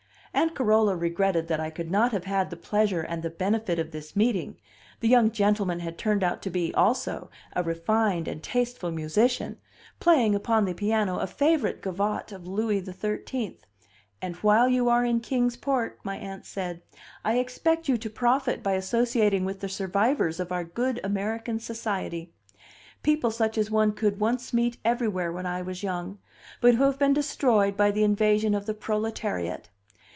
Aunt Carola regretted that I could not have had the pleasure and the benefit of this meeting, the young gentleman had turned out to be, also, a refined and tasteful musician, playing, upon the piano a favorite gavotte of Louis the Thirteenth "And while you are in Kings Port," my aunt said; "I expect you to profit by associating with the survivors of our good American society people such as one could once meet everywhere when I was young, but who have been destroyed by the invasion of the proletariat.